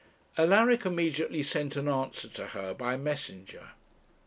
Alaric immediately sent an answer to her by a messenger.